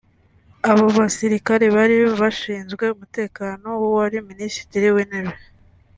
Abo basirikare bari bashinzwe umutekano w’uwari Minisitiri w’intebe